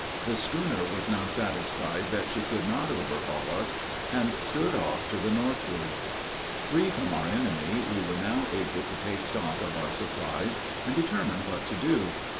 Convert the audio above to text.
The schooner was now satisfied that she could not overhaul us, and stood off to the northward. Free from our enemy, we were now able to take stock of our supplies and determine what to do.